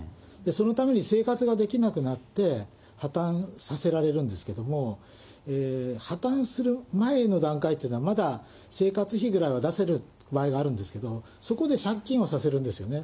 そのために生活ができなくなって、破綻させられるんですけども、破綻する前の段階っていうのは、まだ生活費ぐらいは出せる場合があるんですけれども、そこで借金をさせるんですよね。